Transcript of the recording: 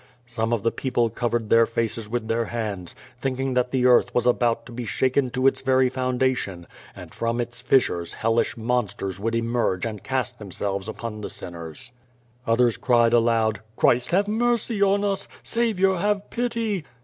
'' Some of the people cover ed their faces with tlieir hands, thinking that the earth was about to be shaken to its very foundation and from its fissures hellish monsters would emerge and cast themselves upon the sinners. Others cried aloud, "Christ have mercy on us! Saviour, have pity!